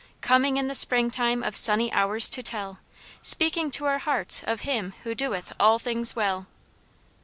Coming in the springtime of sunny hours to tell, Speaking to our hearts of Him who doeth all things well."